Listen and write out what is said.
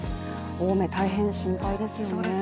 大雨、大変心配ですよね。